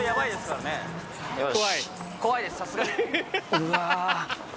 うわ。